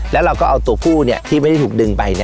แล้วเราก็เอาตัวผู้เนี่ยที่ไม่ได้ถูกดึงไปเนี่ย